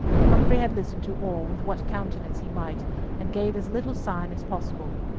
Humfrey had listened to all with what countenance he might, and gave as little sign as possible.